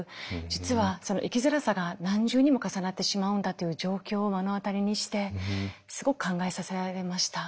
実はその生きづらさが何重にも重なってしまうんだという状況を目の当たりにしてすごく考えさせられました。